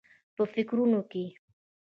په فکرونو کې و.